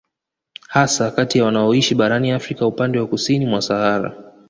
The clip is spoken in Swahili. Hasa kati ya wanaoishi barani Afrika upande wa kusini kwa Sahara